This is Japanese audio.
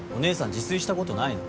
自炊したことないの？